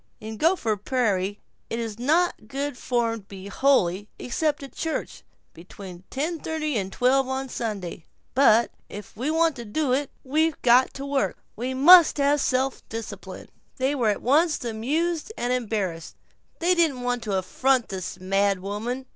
In Gopher Prairie it is not good form to be holy except at a church, between ten thirty and twelve on Sunday. "But if we want to do it, we've got to work; we must have self discipline." They were at once amused and embarrassed. They did not want to affront this mad woman.